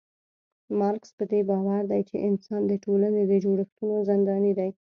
مارکس پدې باور دی چي انسان د ټولني د جوړښتونو زنداني دی